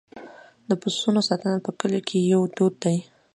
د پسونو ساتنه په کلیو کې یو دود دی.